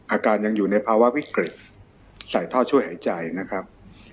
อาการยังอยู่ในภาวะวิกฤตใส่ท่อช่วยหายใจนะครับ